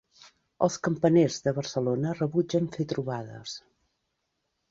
Els campaners de Barcelona rebutgen fer trobades